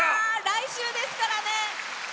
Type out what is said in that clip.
来週ですからね。